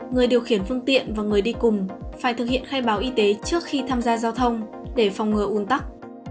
người điều khiển phương tiện và người đi cùng phải thực hiện khai báo y tế trước khi tham gia giao thông để phòng ngừa un tắc